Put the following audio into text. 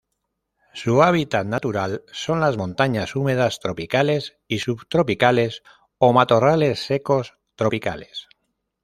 Su hábitat natural son las montañas húmedas tropicales y subtropicales o matorrales secos tropicales.